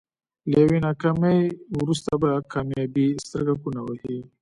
له يوې ناکامي وروسته بله کاميابي سترګکونه وهي.